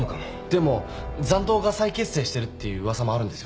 でも残党が再結成してるっていう噂もあるんですよね？